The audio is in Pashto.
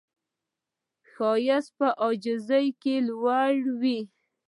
ښایست په عاجزۍ کې لوی وي